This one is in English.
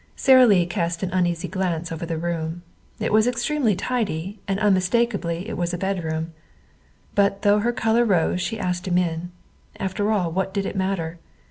Sara Lee cast an uneasy glance over the room. It was extremely tidy, and unmistakably it was a bedroom. But though her color rose she asked him in. After all, what did it matter?